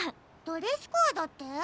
ドレスコードって？